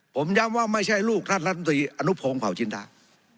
ผมย้ำว่าไม่ใช่ลูกท่านลำตรีอนุพงษ์เผาชินทาง